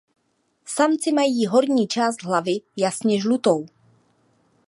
Samci mají horní část hlavy jasně žlutou.